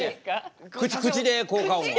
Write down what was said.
口で効果音は。